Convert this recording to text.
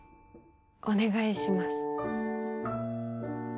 お願いします。